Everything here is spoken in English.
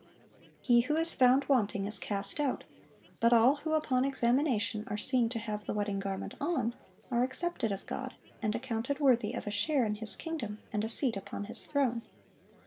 (711) He who is found wanting is cast out, but all who upon examination are seen to have the wedding garment on, are accepted of God, and accounted worthy of a share in His kingdom and a seat upon His throne.